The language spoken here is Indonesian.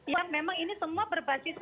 yang memang ini semua berbasis